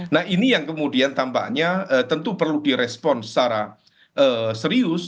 nah ini yang kemudian tampaknya tentu perlu direspon secara serius